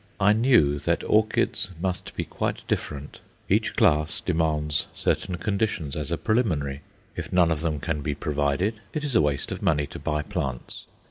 I knew that orchids must be quite different. Each class demands certain conditions as a preliminary: if none of them can be provided, it is a waste of money to buy plants.